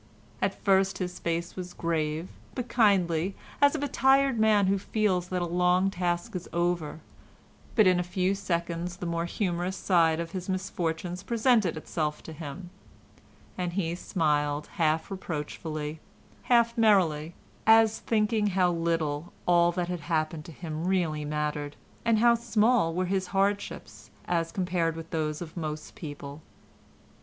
At first his face was grave, but kindly, as of a tired man who feels that a long task is over; but in a few seconds the more humorous side of his misfortunes presented itself to him, and he smiled half reproachfully, half merrily, as thinking how little all that had happened to him really mattered, and how small were his hardships as compared with those of most people.